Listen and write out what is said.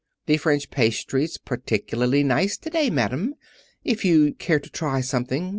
"The French pastry's particularly nice to day, madam. If you'd care to try something?